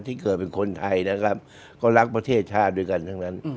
ที่เกิดเป็นคนไทยนะครับก็รักประเทศชาติด้วยกันทั้งนั้น